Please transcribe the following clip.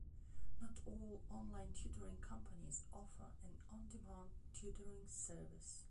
Not all online tutoring companies offer an on-demand tutoring service.